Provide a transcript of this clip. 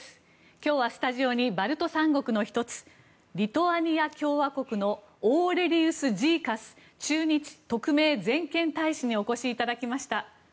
今日はスタジオにバルト三国の１つリトアニア共和国のオーレリウス・ジーカス駐日特命全権大使にお越しいただきました。